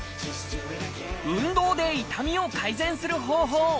運動で痛みを改善する方法。